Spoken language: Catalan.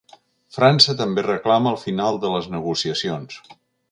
França també reclama el final de les negociacions.